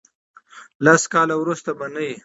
لس کاله ورسته به نه یی.